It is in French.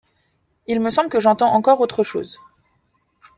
Il me semble que j'entends encore autre chose.